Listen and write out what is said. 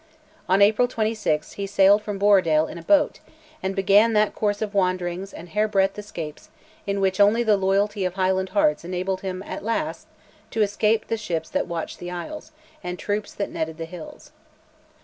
On April 26 he sailed from Borradale in a boat, and began that course of wanderings and hairbreadth escapes in which only the loyalty of Highland hearts enabled him at last to escape the ships that watched the isles and the troops that netted the hills.